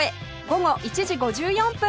午後１時５４分